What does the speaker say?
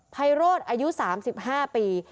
ไพโรธอายุ๓๕ปี